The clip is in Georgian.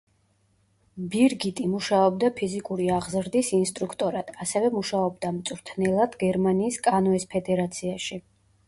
ბირგიტი მუშაობდა ფიზიკური აღზრდის ინსტრუქტორად, ასევე მუშაობდა მწვრთნელად გერმანიის კანოეს ფედერაციაში.